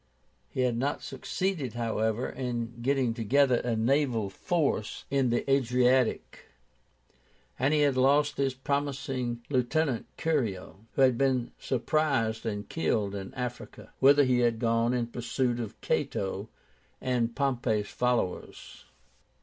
He had not succeeded, however, in getting together a naval force in the Adriatic, and he had lost his promising lieutenant, Curio, who had been surprised and killed in Africa, whither he had gone in pursuit of Cato and Pompey's followers.